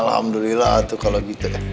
alhamdulillah atuh kalau gitu